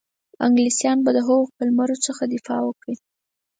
انګلیسیان به د هغه قلمرو څخه دفاع وکړي.